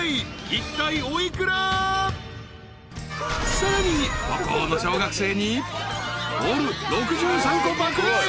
［さらに母校の小学生にボール６３個爆買い。